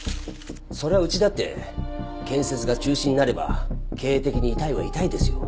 そりゃうちだって建設が中止になれば経営的に痛いは痛いですよ。